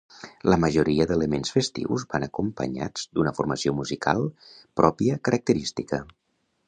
La majoria d'elements festius van acompanyats d'una formació musical pròpia característica.